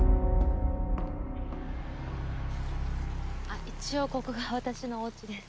あ一応ここが私のおうちです。